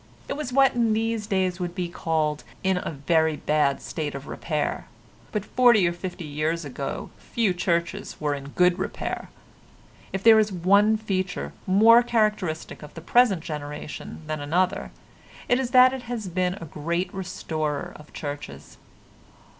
It was what in these days would be called in a very bad state of repair, but forty or fifty years ago few churches were in good repair. If there is one feature more characteristic of the present generation than another it is that it has been a great restorer of churches.